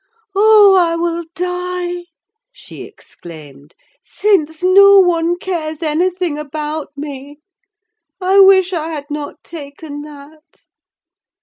"Oh, I will die," she exclaimed, "since no one cares anything about me. I wish I had not taken that."